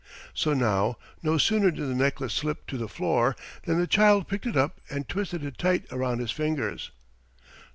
So now, no sooner did the necklace slip to the floor, than the child picked it up and twisted it tight around his fingers.